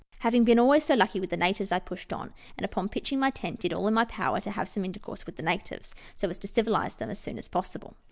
Having been always so lucky with the natives, I pushed on, and upon pitching my tent did all in my power to have some intercourse with the natives, so as to civilize them as soon as possible.